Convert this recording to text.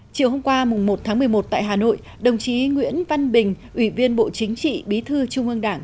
chiều hôm qua một tháng một mươi một tại hà nội đồng chí nguyễn văn bình ủy viên bộ chính trị bí thư trung ương đảng